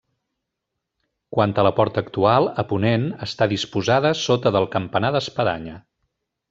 Quant a la porta actual, a ponent, està disposada a sota del campanar d'espadanya.